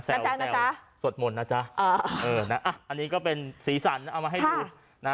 แสวแสวสดหมดนะจ๊ะอันนี้ก็เป็นสีสันเอามาให้ดูนะ